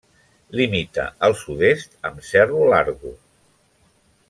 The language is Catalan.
Limita al sud-est amb Cerro Largo.